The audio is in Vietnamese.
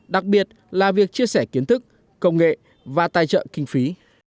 đặc biệt là việc chia sẻ kiến thức công nghệ và tài trợ kinh phí